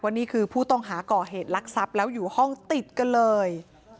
นี่คือผู้ต้องหาก่อเหตุลักษัพแล้วอยู่ห้องติดกันเลย